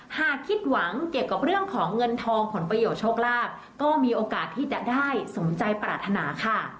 หากคิดหวังเกี่ยวกับเรื่องของเงินทองผลประโยชนโชคลาภก็มีโอกาสที่จะได้สมใจปรารถนาค่ะ